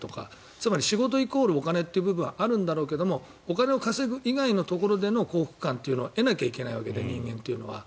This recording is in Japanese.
つまり仕事イコールお金という部分はあるんだろうけどお金を稼ぐ以外のところでの幸福感っていうのは得なきゃいけないわけで人間というのは。